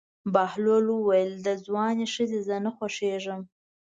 بهلول وویل: د ځوانې ښځې زه نه خوښېږم.